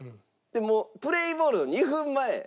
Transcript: もうプレーボールの２分前。